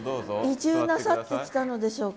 移住なさってきたのでしょうか？